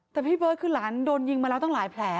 แต่พี่เบิร์ตคือหลานโดนยิงมาแล้วตั้งหลายแผล